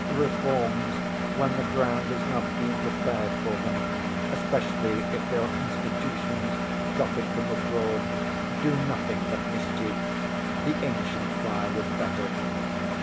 Reforms, when the ground has not been prepared for them, especially if they are institutions copied from abroad, do nothing but mischief! The ancient fire was better.